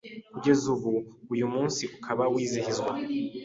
Kugeza ubu , uyu munsi ukaba wizihizwa